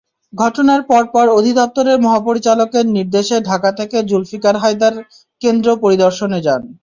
ঘটনার পরপর অধিদপ্তরের মহাপরিচালকের নির্দেশে ঢাকা থেকে জুলফিকার হায়দার কেন্দ্র পরিদর্শনে যান।